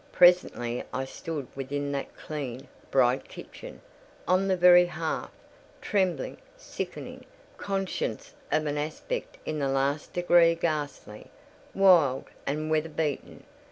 Presently I stood within that clean, bright kitchen—on the very hearth—trembling, sickening; conscious of an aspect in the last degree ghastly, wild, and weather beaten.